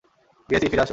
Gracie, ফিরে আসো।